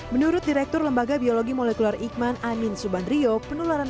menurut direktur lembaga biologi molekuler ikman amin subandrio penularan